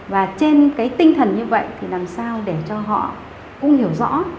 và trên cái tinh thần như vậy thì làm sao để cho họ cũng hiểu rõ